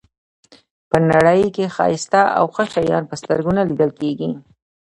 په نړۍ کې ښایسته او ښه شیان په سترګو نه لیدل کېږي.